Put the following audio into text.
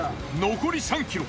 残り３ｋｍ。